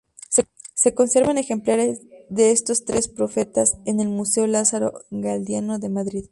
Se conservan ejemplares de estos tres profetas en el Museo Lázaro Galdiano de Madrid.